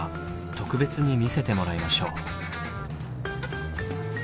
特別に見せてもらいましょう。